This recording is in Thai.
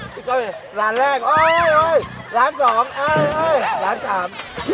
พี่ก๊อฟร้านแรกโอ้ยร้านสองโอ้ยร้านสาม